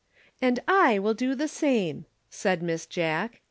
"And I will do the same," said Miss Jack.